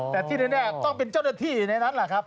แต่ที่นึงเนี่ยต้องเป็นเจ้าหน้าที่ในนั้นล่ะครับ